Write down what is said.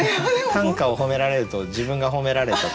短歌を褒められると自分が褒められたと思ってしまう。